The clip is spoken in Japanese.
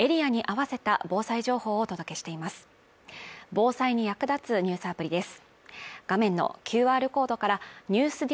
防災に役立つニュースアプリです。